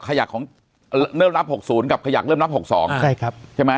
ขยักของเริ่มรับ๖๐กับขยักเริ่มรับ๖๒ใช่ครับใช่ไหม